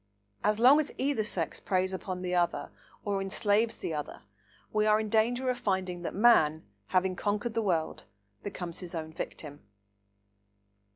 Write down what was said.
So long as either sex preys upon the other, or enslaves the other, we are in danger of finding that man, having conquered the world, becomes his own victim.